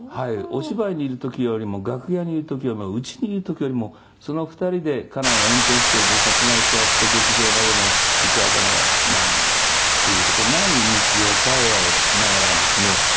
お芝居にいる時よりも楽屋にいる時よりも家にいる時よりも２人で家内が運転して僕が隣座って劇場まで行く間のなんていう事ない日常会話をしながらですね」